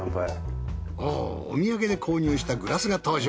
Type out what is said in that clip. おぉお土産で購入したグラスが登場。